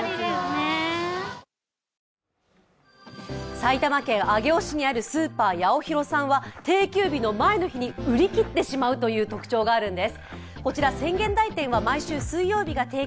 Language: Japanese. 埼玉県上尾市にあるスーパーヤオヒロさんは定休日の前の日に売り切ってしまうという特徴があるんです。